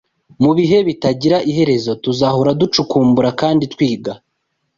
mubihe bitazagira iherezo tuzahora ducukumbura kandi twiga